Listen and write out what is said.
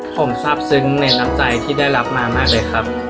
ผมทราบซึ้งในน้ำใจที่ได้รับมามากเลยครับ